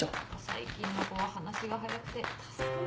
最近の子は話が早くて助かる。